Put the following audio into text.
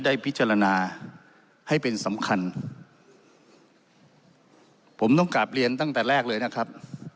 ได้พิจารณาให้เป็นสำคัญผมต้องกลับเรียนตั้งแต่แรกเลยนะครับ